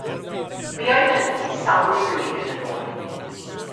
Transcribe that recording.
Mi oedd hynny sawl blwyddyn yn ôl.